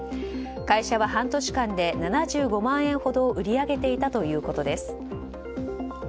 会社は半年間で７５万円ほど売り上げていたということです。